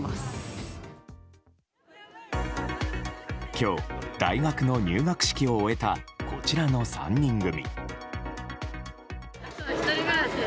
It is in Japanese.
今日、大学の入学式を終えたこちらの３人組。